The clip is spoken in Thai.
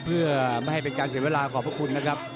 เพื่อไม่ให้เป็นการเสียเวลาขอบพระคุณนะครับ